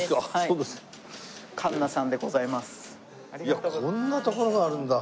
いやこんなところがあるんだ。